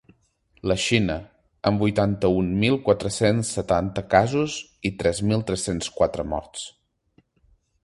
La Xina, amb vuitanta-un mil quatre-cents setanta casos i tres mil tres-cents quatre morts.